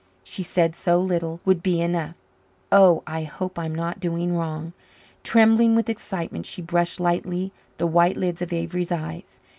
She said so little would be enough oh, I hope I'm not doing wrong. Trembling with excitement, she brushed lightly the white lids of Avery's eyes.